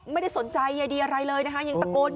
ไม่ได้สนใจใยดีอะไรเลยนะคะยังตะโกน